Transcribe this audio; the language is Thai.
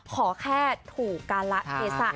ขอแค่ถูกกันละเอส